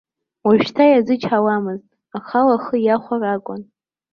Уажәшьҭа иазычҳауамызт, ахала ахы иахәар акәын.